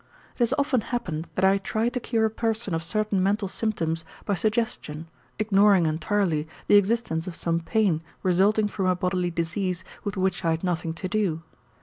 It has often happened that I tried to cure a person of certain mental symptoms by suggestion, ignoring entirely the existence of some pain resulting from a bodily disease with which I had nothing to do.